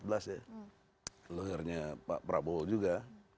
lawyernya pak prabowo juga